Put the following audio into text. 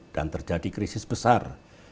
dan terjadi krisis besar